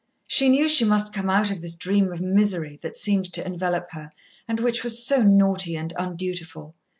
She knew she must come out of this dream of misery that seemed to envelop her, and which was so naughty and undutiful.